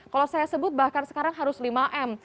kalau saya sebut bahkan sekarang harus lima m